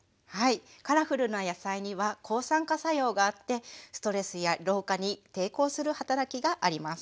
カラフルな野菜には抗酸化作用があってストレスや老化に抵抗する働きがあります。